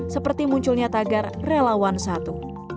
seperti munculnya tagar relawan satu